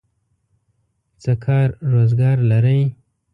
څه کار روزګار لرئ؟